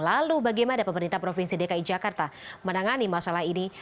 lalu bagaimana pemerintah provinsi dki jakarta menangani masalah ini